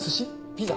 ピザ？